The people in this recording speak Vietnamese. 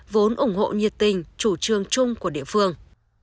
vốn ủng hộ nhiệt tình chủ trương chung của địa phương